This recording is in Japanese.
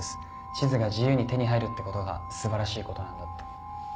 地図が自由に手に入るってことが素晴らしいことなんだって。